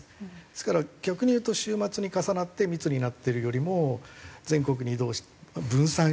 ですから逆にいうと週末に重なって密になってるよりも全国に移動分散していただいて。